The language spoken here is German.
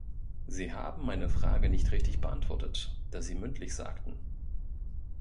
Sie haben meine Frage nicht richtig beantwortet, da Sie "mündlich" sagten.